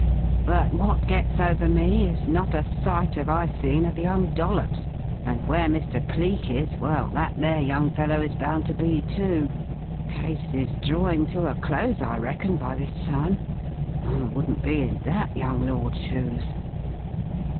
"But what gets over me is, not a sight 'ave I seen of young Dollops. And where Mr. Cleek is.... Well, that there young feller is bound to be, too. Case is drawin' to a close, I reckon, by this time. I wouldn't be in that young lord's shoes!"